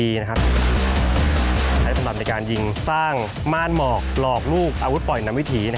สำหรับในการยิงสร้างม่านหมอกหลอกลูกอาวุธปล่อยนำวิถี